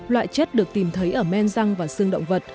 loại chất được tìm thấy ở men răng và xương động vật